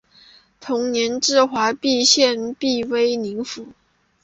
同年置毕节县隶威宁府。